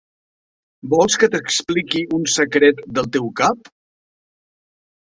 Vols que t'expliqui un secret del teu cap?